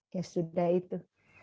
ya sudah itu